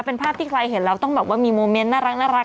เป็นภาพที่ใครเห็นแล้วต้องแบบว่ามีโมเมนต์น่ารัก